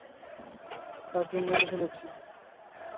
তাকে মেরে ফেলেছি।